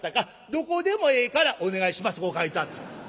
「どこでもええからお願いします」とこう書いてあった。